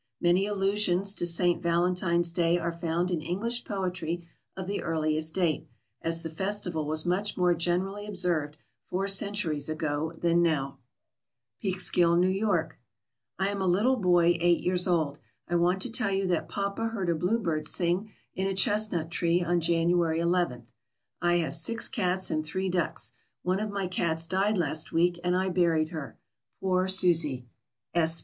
Many allusions to St. Valentine's Day are found in English poetry of the earliest date, as the festival was much more generally observed four centuries ago than now. PEEKSKILL, NEW YORK. I am a little boy eight years old. I want to tell you that papa heard a bluebird sing in a chestnut tree on January 11. I have six cats and three ducks. One of my cats died last week, and I buried her. Poor Susie!